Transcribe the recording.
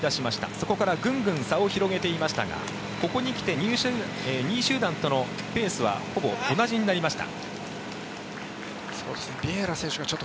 そこからぐんぐん差を広げてきましたがここに来て２位集団とのペースはほぼ同じになりました。